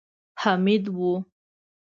حميد و.